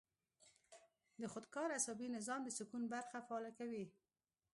د خودکار اعصابي نظام د سکون برخه فعاله کوي -